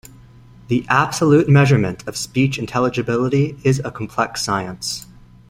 The absolute measurement of speech intelligibility is a complex science.